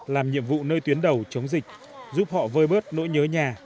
làm nhiệm vụ nơi tuyến đầu chống dịch giúp họ vơi bớt nỗi nhớ nhà